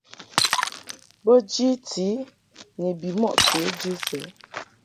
Bo jiti i ni bimɔʼ kejɨ sɛ.